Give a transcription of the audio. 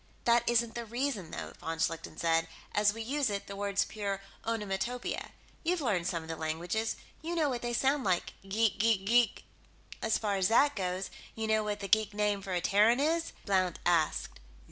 "That isn't the reason, though," von Schlichten said. "As we use it, the word's pure onomatopoeia. You've learned some of the languages; you know what they sound like. Geek geek geek." "As far as that goes, you know what the geek name for a Terran is?" Blount asked.